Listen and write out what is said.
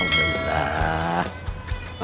masih berada di sini